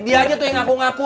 dia aja tuh yang ngaku ngaku